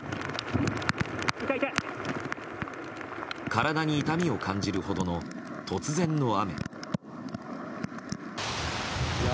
体に痛みを感じるほどの突然の雨。